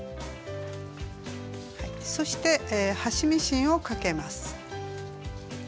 そして端ミシンをかけます。